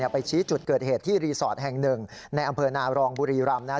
ไปชี้จุดเกิดเหตุที่รีสอร์ทแห่งหนึ่งในอำเภอนารองบุรีรำนะครับ